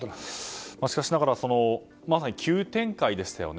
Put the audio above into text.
しかしながら急展開でしたよね。